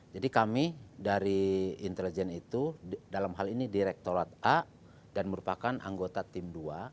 jadi kami dari intelijen itu dalam hal ini direktorat a dan merupakan anggota tim dua